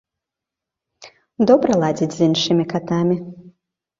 Добра ладзіць з іншымі катамі.